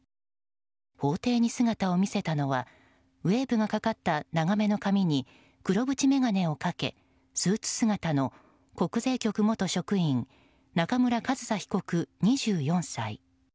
法廷に姿を見せたのはウェーブのかかった長めの髪に黒縁眼鏡をかけ、スーツ姿の国税局元職員中村上総被告、２４歳。